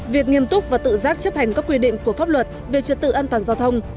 việc nghiêm túc và tự giác chấp hành các quy định của pháp luật về trật tự an toàn giao thông